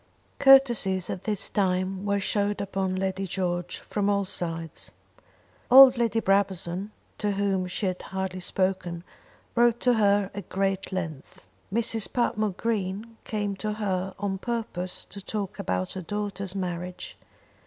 Courtesies at this time were showered upon Lady George from all sides. Old Lady Brabazon, to whom she had hardly spoken, wrote to her at great length. Mrs. Patmore Green came to her on purpose to talk about her daughter's marriage.